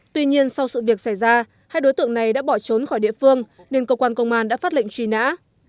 tuy nhiên sau sự việc xảy ra hai đối tượng này đã bỏ trốn khỏi địa phương nên cơ quan công an đã phát lệnh truy nã